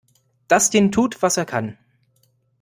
Dustin tut, was er kann.